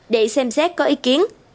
để xem xét có ý kiến